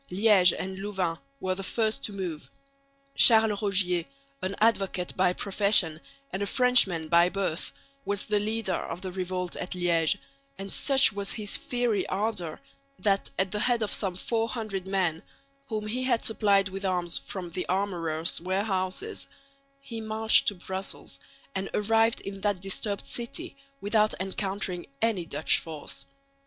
Liège and Louvain were the first to move. Charles Rogier, an advocate by profession and a Frenchman by birth, was the leader of the revolt at Liège; and such was his fiery ardour that at the head of some 400 men, whom he had supplied with arms from the armourer's warehouses, he marched to Brussels, and arrived in that disturbed city without encountering any Dutch force.